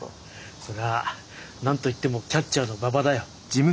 それは何と言ってもキャッチャーの馬場だよ。